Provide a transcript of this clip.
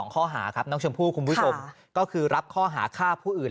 ข้อหาครับน้องชมพู่คุณผู้ชมก็คือรับข้อหาฆ่าผู้อื่น